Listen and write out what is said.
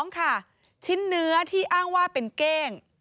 ๒ค่ะชิ้นเนื้อที่อ้างว่าเป็นเก้ง